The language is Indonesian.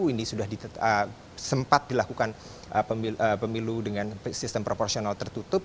ini sudah sempat dilakukan pemilu dengan sistem proporsional tertutup